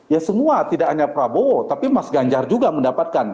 ya semua tidak hanya prabowo tapi mas ganjar juga mendapatkan